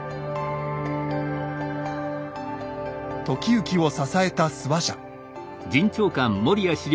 時行を支えた諏訪社。